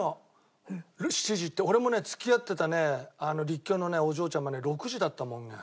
俺もね付き合ってたね立教のお嬢ちゃまね６時だった門限。